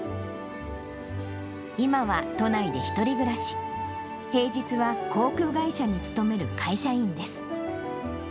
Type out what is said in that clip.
今は都内で１人暮らし、平日は航空会社に勤める会社員です。